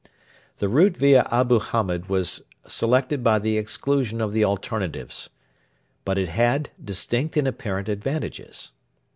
The route via Abu Hamed was selected by the exclusion of the alternatives. But it had distinct and apparent advantages.